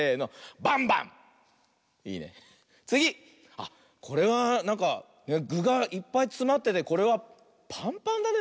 あっこれはなんかぐがいっぱいつまっててこれはパンパンだねなんかね。